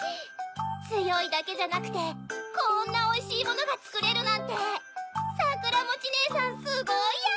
つよいだけじゃなくてこんなおいしいものがつくれるなんてさくらもちねえさんすごいや！